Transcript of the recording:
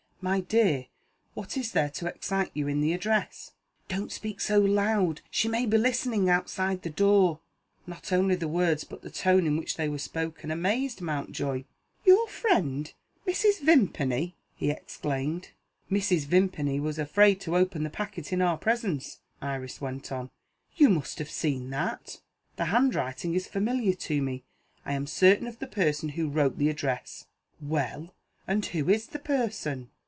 "My dear, what is there to excite you in the address?" "Don't speak so loud! She may be listening outside the door." Not only the words, but the tone in which they were spoken, amazed Mountjoy. "Your friend, Mrs. Vimpany!" he exclaimed. "Mrs. Vimpany was afraid to open the packet in our presence," Iris went on: "you must have seen that. The handwriting is familiar to me; I am certain of the person who wrote the address." "Well? And who is the person?"